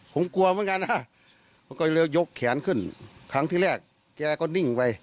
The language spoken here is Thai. ผมกลัวเหมือนกันนะผมก็เลยยกแขนขึ้น